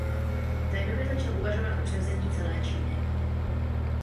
V té době začal uvažovat o převzetí celé Číny.